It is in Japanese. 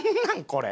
これ。